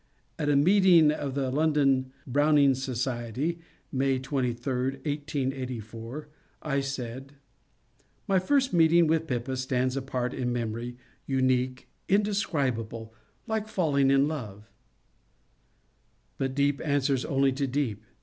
At a meeting of the London Browning Society (May 23, 1884) I said :My first meeting with Pippa stands apart in memory, unique, inde scribable, — like falling in love." But deep answers only to deep.